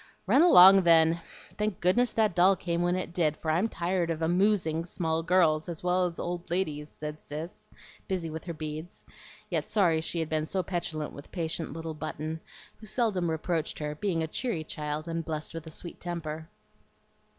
"Run along then. Thank goodness that doll came when it did, for I'm tired of 'amoosing' small girls as well as old ladies," said Cis, busy with her beads, yet sorry she had been so petulant with patient little Button, who seldom reproached her, being a cheery child, and blessed with a sweet temper.